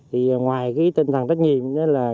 thì ngoài cái tinh thần trách nhiệm